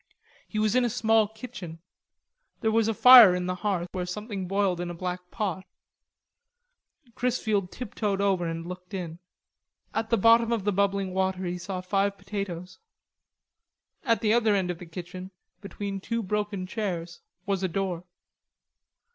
He was in a small kitchen. There was a fire in the hearth where something boiled in a black pot. Chrisfield tiptoed over and looked in. At the bottom of the bubbling water he saw five potatoes. At the other end of the kitchen, beyond two broken chairs, was a door.